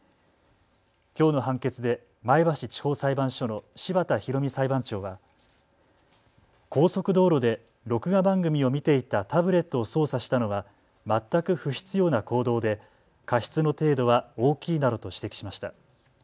きょうの判決で前橋地方裁判所の柴田裕美裁判長は高速道路で録画番組を見ていたタブレットを操作したのは全く不必要な行動で過失の程度は大きいなどと指摘しました。